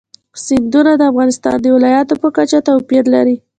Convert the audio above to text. سیندونه د افغانستان د ولایاتو په کچه توپیر لري.